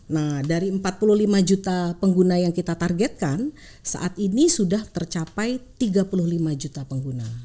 nah dari empat puluh lima juta pengguna yang kita targetkan saat ini sudah tercapai tiga puluh lima juta pengguna